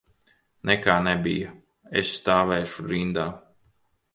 Nekā nebija, es stāvēšu rindā.